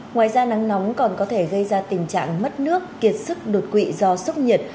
ngoài ra nắng nóng còn có thể gây ra tình trạng mất nước kiệt sức đột quỵ do sốc nhiệt